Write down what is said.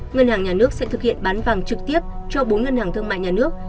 ngân hàng nhà nước sẽ thực hiện bán vàng trực tiếp cho bốn ngân hàng thương mại nhà nước